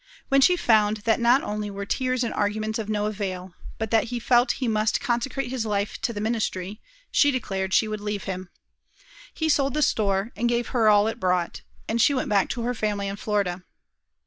When she found that not only were tears and arguments of no avail, but that he felt he must consecrate his life to the ministry, she declared she would leave him. He sold the store, and gave her all it brought; and she went back to her family in Florida.